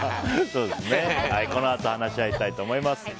このあと話し合いたいと思います。